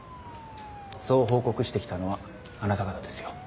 そう報告してきたのはあなた方ですよ。